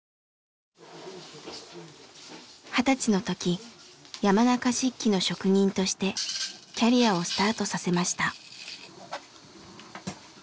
二十歳の時山中漆器の職人としてキャリアをスタートさせました。